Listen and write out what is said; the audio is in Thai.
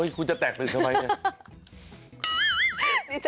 คุณจะแตกตื่นทำไมเนี่ย